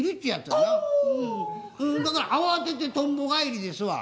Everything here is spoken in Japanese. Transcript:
だから慌ててとんぼ返りですわ。